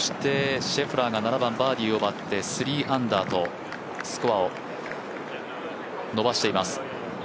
シェフラーが７番、バーディーを奪って３アンダーとスコアを伸ばしています。